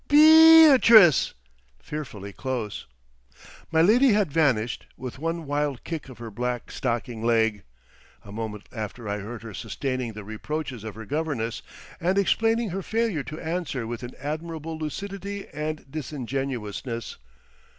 "Beeee e e â trice!" fearfully close. My lady had vanished, with one wild kick of her black stocking leg. A moment after, I heard her sustaining the reproaches of her governess, and explaining her failure to answer with an admirable lucidity and disingenuousness.